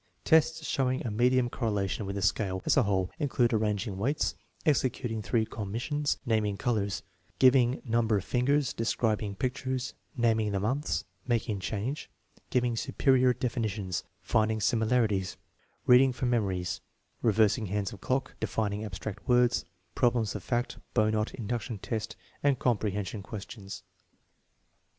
Tests showing a medium correlation with the scale as a whole include arranging weights, executing three com missions, naming colors, giving number of fingers, describ ing pictures, naming the months, making change, giving superior definitions, finding similarities, reading for mem ories, reversing hands of clock, defining abstract words, problems of fact, bow knot, induction test, and compre hension questions.